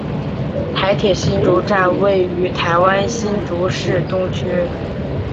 台铁新竹站位于台湾新竹市东区。